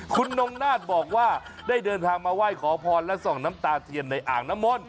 คุณนงนาฏบอกว่าได้เดินทางมาไหว้ขอพรและส่องน้ำตาเทียนในอ่างน้ำมนต